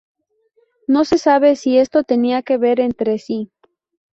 No se sabe si esto tenía que ver entre sí.